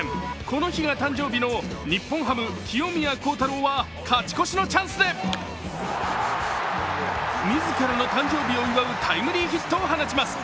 この日が誕生日の日本ハム・清宮幸太郎は勝ち越しのチャンスで自らの誕生日を祝うタイムリーヒットを放ちます。